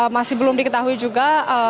masih belum diketahui juga